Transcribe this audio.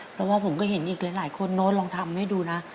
เพราะว่าผมก็เห็นอีกหลายคนเนอะลองทำให้ดูนะ